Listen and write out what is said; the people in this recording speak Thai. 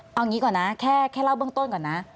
เอางี้ก่อนนะแค่เล่าเบื้องต้นก่อนนะ